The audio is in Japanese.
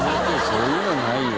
そういうのないよ。